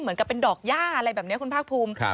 เหมือนกับเป็นดอกย่าอะไรแบบนี้คุณภาคภูมิ